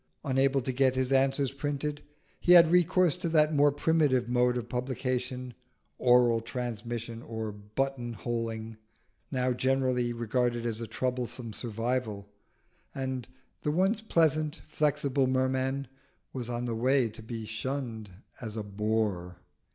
Unable to get his answers printed, he had recourse to that more primitive mode of publication, oral transmission or button holding, now generally regarded as a troublesome survival, and the once pleasant, flexible Merman was on the way to be shunned as a bore.